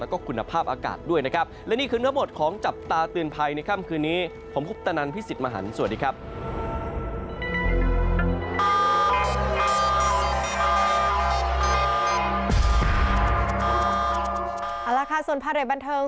เอาละค่าสวนภาในบรรเทิง